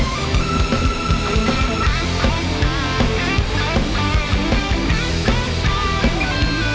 โปรดติดตามต่อไป